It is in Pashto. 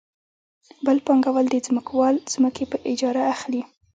بل پانګوال د ځمکوال ځمکې په اجاره اخلي